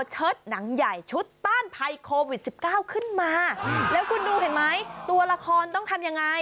หนังใหญ่ชุดต้านภัยโควิด๑๙ขึ้นมาแล้วคุณดูเห็นไหมตัวละครต้องทำยังไง